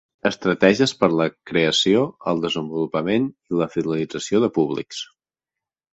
Estratègies per a la creació, el desenvolupament i la fidelització de públics.